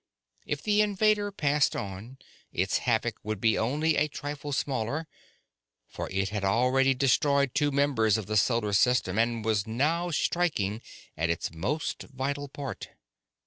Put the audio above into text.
If the invader passed on, its havoc would be only a trifle smaller, for it had already destroyed two members of the solar system and was now striking at its most vital part.